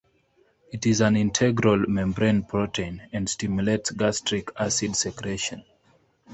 It is an integral membrane protein and stimulates gastric acid secretion.